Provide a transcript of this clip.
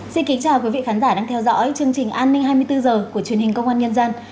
xin kính chào quý vị khán giả đang theo dõi chương trình an ninh hai mươi bốn h của truyền hình công an nhân dân